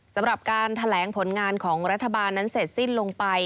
สำหรับการแถลงผลงานของรัฐบาลนั้นเสร็จสิ้นลงไป